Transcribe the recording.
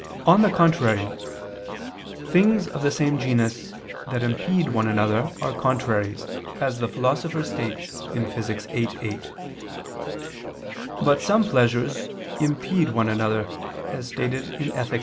On the contrary, Things of the same genus that impede one another are contraries, as the Philosopher states (Phys. viii, 8). But some pleasures impede one another, as stated in _Ethic.